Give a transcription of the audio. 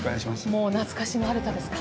もう懐かしのアルタですか？